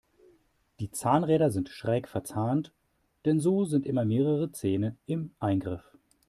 Die Zahnräder sind schräg verzahnt, denn so sind immer mehrere Zähne im Eingriff.